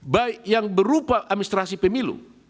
baik yang berupa administrasi pemilu